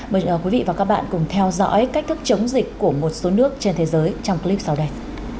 mời quý vị và các bạn cùng theo dõi cách thức chống dịch của một số nước trên thế giới trong clip sau đây